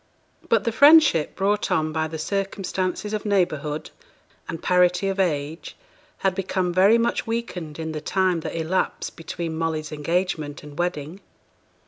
But the friendship brought on by the circumstances of neighbourhood and parity of age had become very much weakened in the time that elapsed between Molly's engagement and wedding.